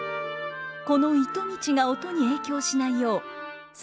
この糸道が音に影響しないよう棹